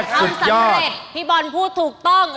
ทำสำเร็จพี่บอลพูดถูกต้อง